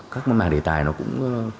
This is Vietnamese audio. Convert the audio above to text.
các mảng đề tài nó cũng